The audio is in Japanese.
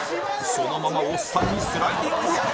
そのままオッサンにスライディング！